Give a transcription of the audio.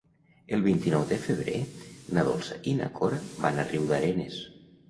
El vint-i-nou de febrer na Dolça i na Cora van a Riudarenes.